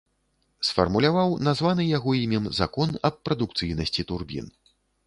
Сфармуляваў названы яго імем закон аб прадукцыйнасці турбін.